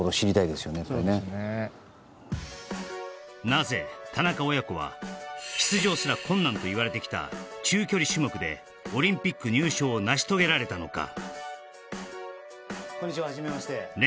なぜ田中親子は出場すら困難といわれてきた中距離種目でオリンピック入賞を成し遂げられたのか？